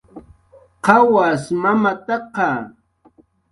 ¿Qawas mamataqa?